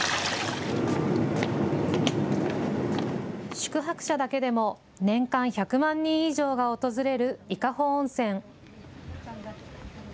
宿泊者だけでも年間１００万人以上が訪れる伊香保温泉。